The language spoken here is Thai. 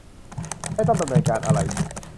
ไม่ต้องดำเนินการอะไร